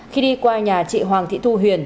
khi đi qua nhà chị hoàng thị thu huyền